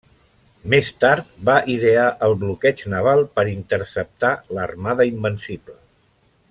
Més tard va idear el bloqueig naval per interceptar l'Armada Invencible.